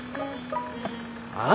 ああ？